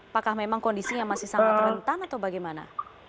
apakah memang kondisinya masih sangat rentan atau bagaimana